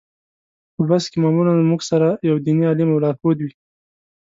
په بس کې معمولا موږ سره یو دیني عالم او لارښود وي.